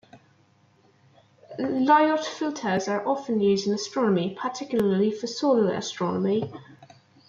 Lyot filters are often used in astronomy, particularly for solar astronomy.